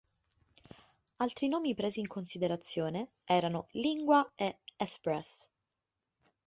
Altri nomi presi in considerazione erano "Lingua" e "Express".